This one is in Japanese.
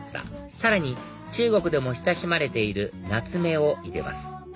さらに中国でも親しまれているナツメを入れます